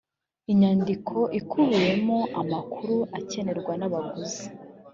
inyandiko ikubiyemo amakuru akenerwa n’abaguzi